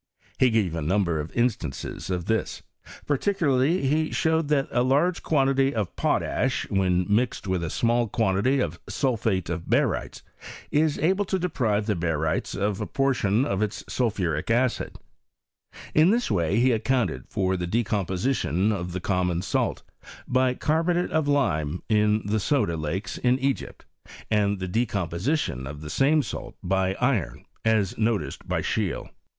He gave a number of instances of this ; particularly, he showed that a large quantity of potash, when mixed with a small quantity of sulphate of barytes, is able to deprive the barytes of a portion of its sulphuric acid. In this way he accounted for the decomposition of the common salt, by carbonate of lime in the soda VOL. II. M 162 HISTORY OF CHSXnmT. lakes in Egypt ; and the decomposition of the same salt by iron, as noticed by Scheele.